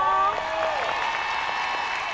ที่๒